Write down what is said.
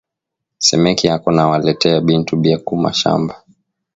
Semeki yako ana waleteya bintu bia ku mashamba